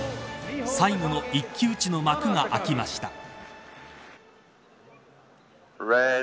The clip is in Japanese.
最後の一騎打ちの幕が開きました。